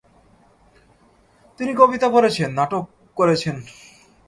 তিনি কবিতা পড়েছেন; নাটক করেছেন।